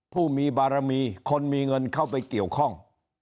ผู้มีบารมีคนมีเงินเข้าไปเกี่ยวข้อง